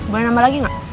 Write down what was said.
boleh nambah lagi gak